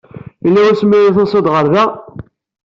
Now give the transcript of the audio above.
Yella wamsi ay d-tusiḍ ɣer da?